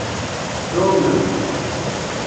Tɛumemt.